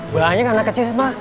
banyak anak kecil pak